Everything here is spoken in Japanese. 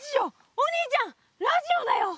お兄ちゃんラジオだよ！